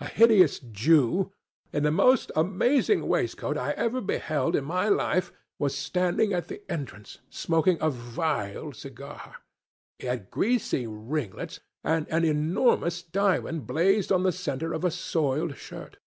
A hideous Jew, in the most amazing waistcoat I ever beheld in my life, was standing at the entrance, smoking a vile cigar. He had greasy ringlets, and an enormous diamond blazed in the centre of a soiled shirt.